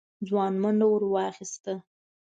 ځوان منډه ور واخيسته.